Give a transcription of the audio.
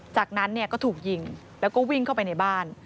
จากนั้นก็ถูกยิงแล้วก็วิ่งเข้าไปในบ้าน